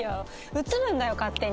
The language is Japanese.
うつるんだよ勝手に。